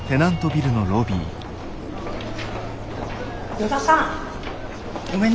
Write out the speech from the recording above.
依田さん。